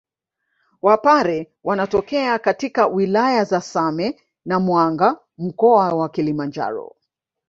Wapare wanatokea katika wilaya za Same na Mwanga mkoa wa Kilimanjaro